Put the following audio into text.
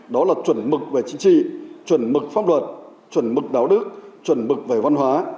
đó là chuẩn mực về chính trị chuẩn mực pháp luật chuẩn mực đạo đức chuẩn mực về văn hóa